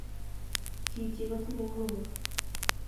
Chi chi kotinye nguvu